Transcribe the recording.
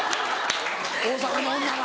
大阪の女が。